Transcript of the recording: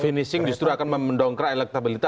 finishing justru akan mendongkrak elektabilitas